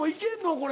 これ。